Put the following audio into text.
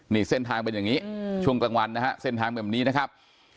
นี่เส้นทางเป็นอย่างนี้ช่วงกลางวันนะฮะเส้นทางแบบนี้นะครับ